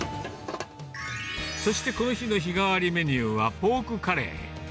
そしてこの日の日替わりメニューはポークカレー。